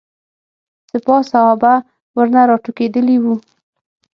سپاه صحابه ورنه راټوکېدلي وو.